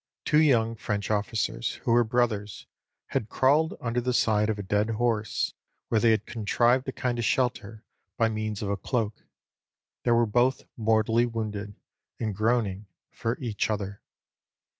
_ Two young French officers, who were brothers, had crawled under the side of a dead horse, where they had contrived a kind of shelter by means of a cloak: they were both mortally wounded, and groaning for each other.